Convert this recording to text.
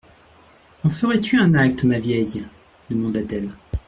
En ferais-tu un acte, ma vieille ? demanda-t-elle.